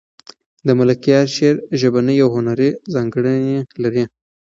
د ملکیار شعر ژبنۍ او هنري ځانګړنې لري.